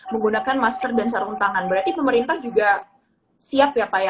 menggunakan masker dan sarung tangan berarti pemerintah juga siap ya pak ya